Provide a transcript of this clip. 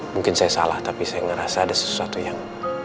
mungkin saya salah tapi saya ngerasa ada sesuatu yang